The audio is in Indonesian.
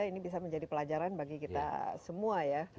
ini bisa menjadi pelajaran bagi kita semua ya